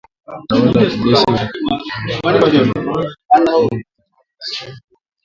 Utawala wa kijeshi ulikamata mamlaka katika mapinduzi ya Januari dhidi ya Rais Roch Kabore